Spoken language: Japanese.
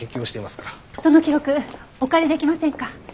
その記録お借りできませんか？